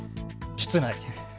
室内。